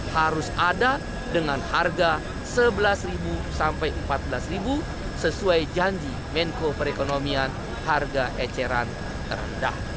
harus ada dengan harga rp sebelas sampai rp empat belas sesuai janji menko perekonomian harga eceran terendah